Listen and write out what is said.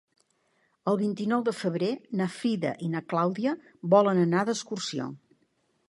El vint-i-nou de febrer na Frida i na Clàudia volen anar d'excursió.